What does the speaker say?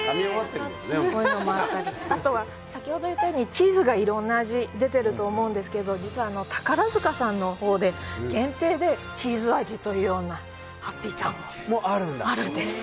あとは先ほど言ったようにチーズがいろんな味でてると思うんですけど実は、宝塚さんのほうで限定でチーズ味というハッピーターンもあるんです。